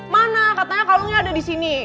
mana katanya kalungnya ada di sini